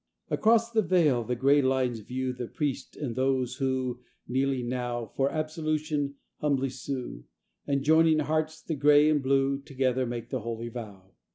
Across the vale the gray lines view The priest and those who, kneeling now, For absolution humbly sue, And joining hearts, the gray and blue, Together make the holy vow.